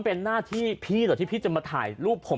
เป็นหน้าที่พี่เหรอที่พี่จะมาถ่ายรูปผม